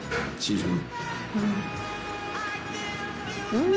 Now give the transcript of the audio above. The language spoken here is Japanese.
うん。